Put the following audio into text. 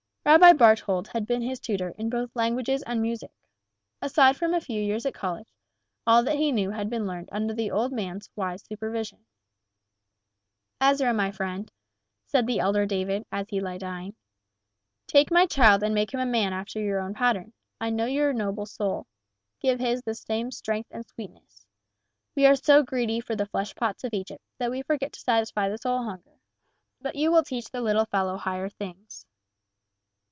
Rabbi Barthold had been his tutor in both languages and music. Aside from a few years at college, all that he knew had been learned under the old man's wise supervision. "Ezra, my friend," said the elder David, when he lay dying, "take my child and make him a man after your own pattern. I know your noble soul. Give his the same strength and sweetness. We are so greedy for the fleshpots of Egypt, that we forget to satisfy the soul hunger. But you will teach the little fellow higher things."